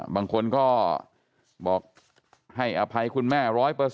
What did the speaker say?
บางคนก็บอกให้อภัยคุณแม่๑๐๐